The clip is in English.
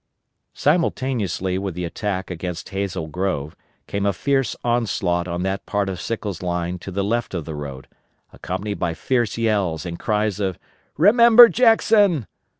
Simultaneously with the attack against Hazel Grove came a fierce onslaught on that part of Sickles' line to the left of the road, accompanied by fierce yells and cries of _"Remember Jackson!"